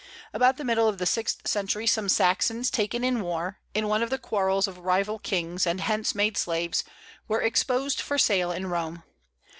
About the middle of the sixth century some Saxons taken in war, in one of the quarrels of rival kings, and hence made slaves, were exposed for sale in Rome.